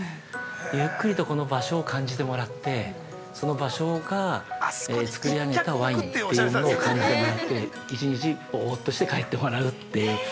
ゆっくりとこの場所を感じてもらってその場所がつくり上げたワインというものを感じてもらって１日ぼうっとして帰ってもらうっていう。